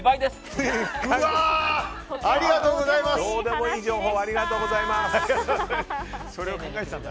どうでもいい情報ありがとうございます。